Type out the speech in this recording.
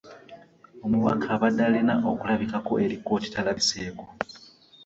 Omubaka abadde alina okulabikako eri kkooti talabiseko.